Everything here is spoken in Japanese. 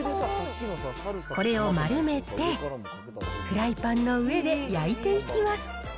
これを丸めて、フライパンの上で焼いていきます。